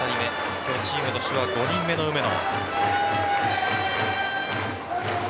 今日チームとしては５人目の梅野。